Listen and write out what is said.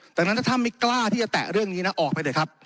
ดังนั้นถ้าไม่กล้าที่จะแตะเรื่องนี้นะออกไปเถอะครับ